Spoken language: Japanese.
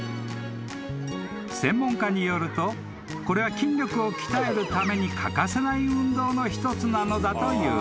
［専門家によるとこれは筋力を鍛えるために欠かせない運動の一つなのだという］